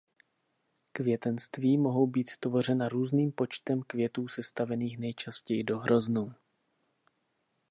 Květenství mohou být tvořena různým počtem květů sestavených nejčastěji do hroznů.